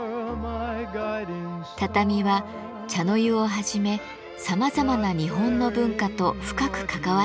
畳は茶の湯をはじめさまざまな日本の文化と深く関わってきました。